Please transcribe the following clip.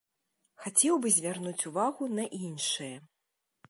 Хацеў бы звярнуць увагу на іншае.